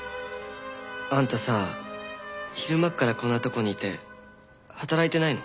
あんたさ昼間っからこんなとこにいて働いてないの？